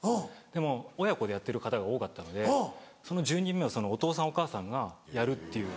でも親子でやってる方が多かったのでその１０人目をそのお父さんお母さんがやるっていう。